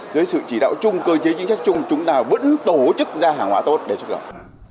với sự chỉ đạo chung cơ chế chính trách chung chúng ta vẫn tổ chức ra hàng hóa tốt để chức động